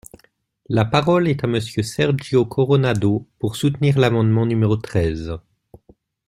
La parole est à Monsieur Sergio Coronado, pour soutenir l’amendement numéro treize.